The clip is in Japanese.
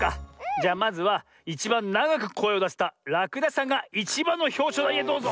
じゃあまずはいちばんながくこえをだせたらくだしさんがいちばんのひょうしょうだいへどうぞ。